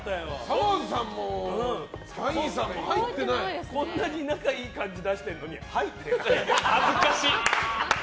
さまぁずさんもキャインさんもこんなに仲いい感じ出してるのに入ってないって。